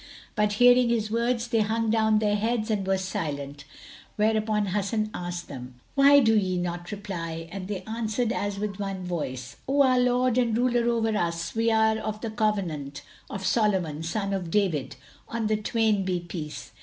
But, hearing his words they hung down their heads and were silent, whereupon Hasan asked them, "Why do ye not reply?" And they answered as with one voice, "O our lord and ruler over us, we are of the covenant of Solomon son of David (on the twain be Peace!)